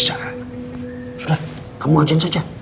sudah kamu ujian saja